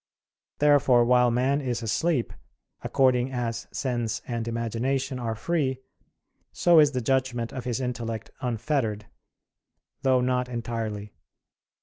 Therefore, while man is asleep, according as sense and imagination are free, so is the judgment of his intellect unfettered, though not entirely.